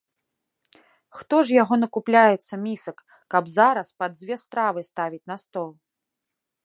Хто ж яго накупляецца місак, каб зараз па дзве стравы ставіць на стол.